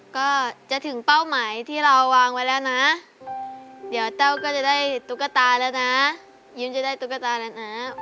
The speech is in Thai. ก็จะถึงเป้าหมายที่เราวางไว้แล้วนะเดี๋ยวแต้วก็จะได้ตุ๊กตาแล้วนะยิ้มจะได้ตุ๊กตาแล้วนะ